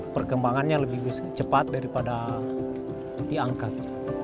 perkembangannya lebih cepat daripada diangkat